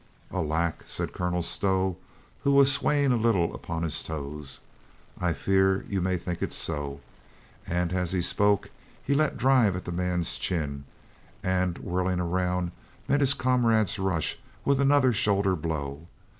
"Alack," said Colonel Stow, who was swaying a little upon his toes, "I fear you may think it so," and as he spoke let drive at the man's chin, and, whirling round, met his comrade's rush with another shoulder blow.